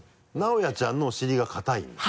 尚哉ちゃんのお尻が硬いんだ？